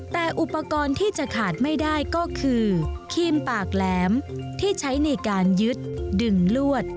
แต่อุปกรณ์ที่จะขาดไม่ได้ก็คือครีมปากแหลมที่ใช้ในการยึดดึงลวด